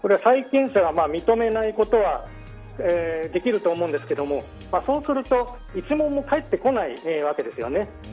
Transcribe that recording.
債権者が認めないことはできると思うんですけれどもそうすると一文も返ってこないわけですよ。